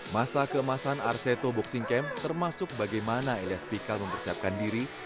masa keemasan arseto boxing camp termasuk bagaimana elias pikal mempersiapkan diri